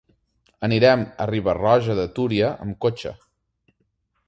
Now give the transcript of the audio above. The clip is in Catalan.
Anirem a Riba-roja de Túria amb cotxe.